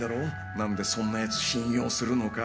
何でそんなやつ信用するのか。